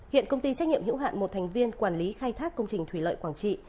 hiện công ty trách nhiệm hữu hạn một thành viên quản lý khai thác công trình thủy lợi quảng trị